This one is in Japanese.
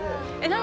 何？